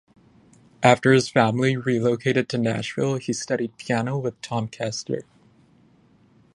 After his family relocated to Nashville he studied piano with Tom Koester.